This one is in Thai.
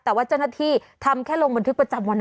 แต่ว่าเจ้าหน้าที่ทำแค่ลงบันทึกประจำวัน